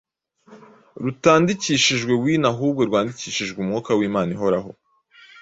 rutandikishijwe wino ahubwo rwandikishijwe Umwuka w’Imana Ihoraho,